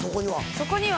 そこには。